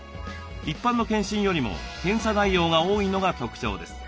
一般の健診よりも検査内容が多いのが特徴です。